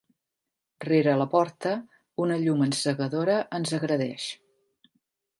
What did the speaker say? Rere la porta una llum encegadora ens agredeix.